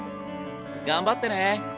頑張ってね。